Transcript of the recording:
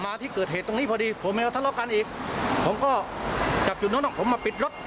ที่เกิดเหตุตรงนี้พอดีผมยังทะเลาะกันอีกผมก็จากจุดนู้นผมมาปิดรถ